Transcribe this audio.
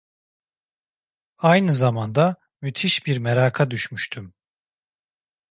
Aynı zamanda müthiş bir meraka düşmüştüm.